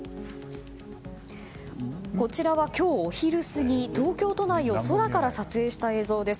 こちらは今日お昼過ぎ東京都内を空から撮影した映像です。